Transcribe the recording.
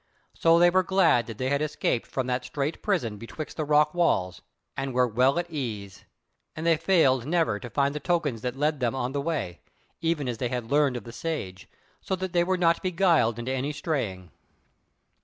So they were glad that they had escaped from that strait prison betwixt the rock walls, and were well at ease: and they failed never to find the tokens that led them on the way, even as they had learned of the Sage, so that they were not beguiled into any straying.